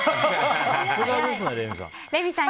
さすがですね、レミさん。